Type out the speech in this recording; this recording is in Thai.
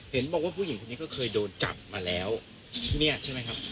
เห็นบอกว่าผู้หญิงคนนี้ก็เคยโดนจับมาแล้วที่นี่ใช่ไหมครับ